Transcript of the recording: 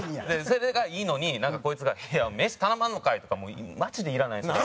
それがいいのにこいつがいや飯頼まんのかい！とかマジでいらないんですよ。